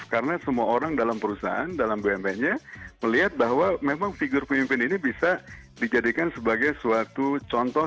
karena semua orang dalam perusahaan dalam bumn nya melihat bahwa memang figur pemimpin ini bisa dijadikan sebagai suatu contoh